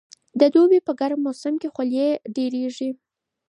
د دوبي په ګرم موسم کې خولې زیاتې کېږي.